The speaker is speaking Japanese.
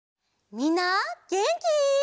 みんなげんき？